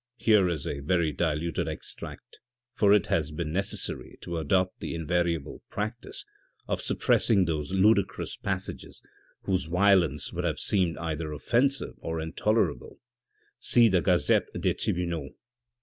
Here is a very diluted extract, for it has betn necessary to adopt the invariable practice of suppressing those ludicrous passages, whose violence would have seemed either offensive or intolerable (see the Gazette des Tribunaux).